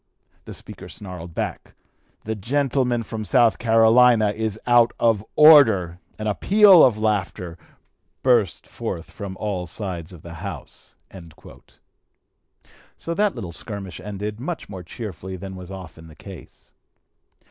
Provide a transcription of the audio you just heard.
The Speaker snarled back, 'The gentleman from South Carolina is out of order!' and a peal of laughter burst forth from all sides of the House." So that little skirmish ended, much more cheerfully than was often the case.